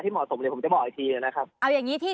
ที่เหมาะสมเลยผมจะบอกอีกทีเลยนะครับเอาอย่างงี้ที่